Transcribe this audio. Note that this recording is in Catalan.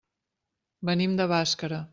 Venim de Bàscara.